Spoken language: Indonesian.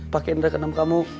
pakein rekenam kamu